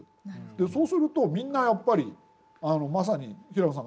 そうするとみんなやっぱりまさに平野さんが言われたように。